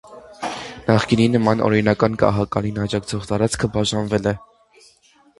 Նախկինի նման օրինական գահակալին աջակցող տարածքը բաժանվել է։